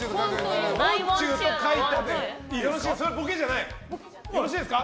それはボケじゃないね。